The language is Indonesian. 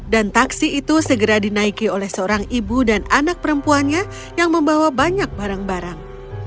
dan taksi itu segera dinaiki oleh seorang ibu dan anak perempuannya yang membawa banyak barang barang